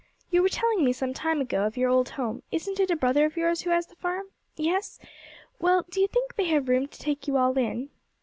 You were telling me some time ago of your old home; isn't it a brother of yours who has the farm? Yes? Well, do you think they have room to take you all in?'